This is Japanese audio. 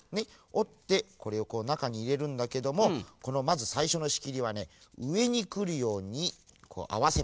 おってこれをこうなかにいれるんだけどもこのまずさいしょのしきりはねうえにくるようにこうあわせますね。